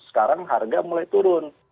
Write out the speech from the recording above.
sekarang harga mulai turun